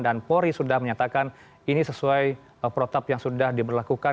dan polri sudah menyatakan ini sesuai protap yang sudah diberlakukan